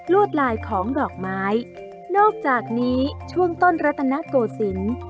วดลายของดอกไม้นอกจากนี้ช่วงต้นรัตนโกศิลป์